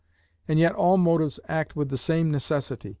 And yet all motives act with the same necessity.